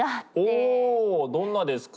おおどんなですか？